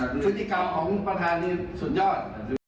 พฤติกรรมของประธานคือสุดยอด